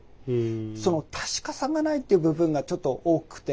その確かさがないっていう部分がちょっと多くて。